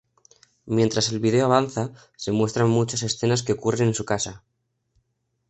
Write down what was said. Mientras el video avanza, se muestran muchas escenas que ocurren en su casa.